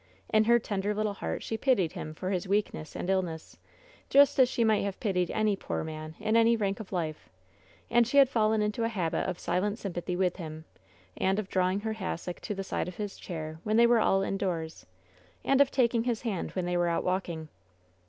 In her tender little heart she pitied him for his weakness and illness, just as she might have pitied any poor man in any rank of life, and she had fallen into a habit of silent sympathy with him, and of drawing her hassock to the side of his chair, when they were all indoors, and of taking his hand when they were out walking.